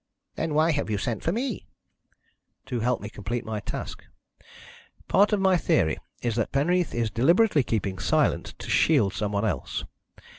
"Then why have you sent for me?" "To help me to complete my task. Part of my theory is that Penreath is deliberately keeping silent to shield some one else.